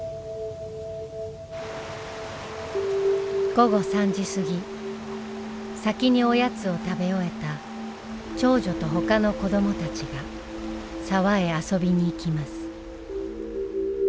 午後３時過ぎ先におやつを食べ終えた長女と他の子どもたちが沢へ遊びに行きます。